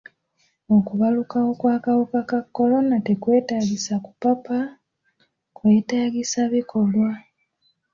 Okubalukawo kw'akawuka ka kolona tekwetaagisa kupapa, kwetaagisa bikolwa.